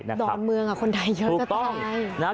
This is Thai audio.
ดอนเมืองคนไทยเยอะก็ตาย